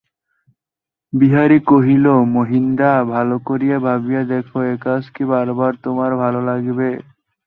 বিহারী কহিল, মহিনদা, ভালো করিয়া ভাবিয়া দেখো–এ কাজ কি বরাবর তোমার ভালো লাগিবে?